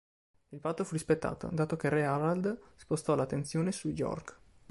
Il patto fu rispettato, dato che re Harald spostò l'attenzione su York.